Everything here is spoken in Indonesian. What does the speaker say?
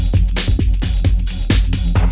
bunuh mereka sekarang